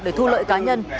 để thu lợi cá nhân